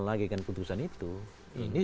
lagi kan putusan itu ini